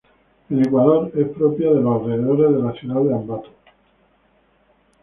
En Ecuador, es propia de los alrededores de la ciudad de Ambato.